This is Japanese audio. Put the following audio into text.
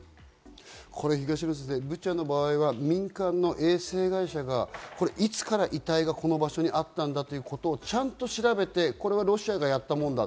東野先生、ブチャの場合は民間の衛星会社がいつから遺体がこの場所にあったんだということをちゃんと調べてロシアがやったものだ。